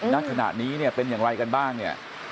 ณขณะนี้เนี่ยเป็นอย่างไรกันบ้างเนี่ย